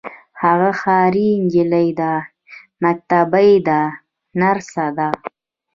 هغه ښاري نجلۍ ده مکتبۍ ده نرسه ده.